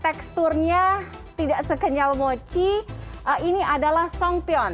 teksturnya tidak sekenyal mochi ini adalah sompion